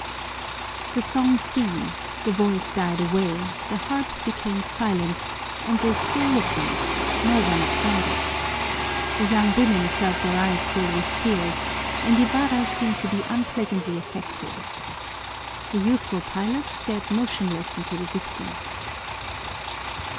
The song ceased, the voice died away, the harp became silent, and they still listened; no one applauded. The young women felt their eyes fill with tears, and Ibarra seemed to be unpleasantly affected. The youthful pilot stared motionless into the distance.